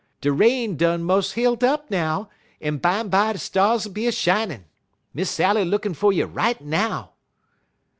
De rain done mos' hilt up now, en bimeby de stars'll be a shinin'. Miss Sally lookin' fer you right now."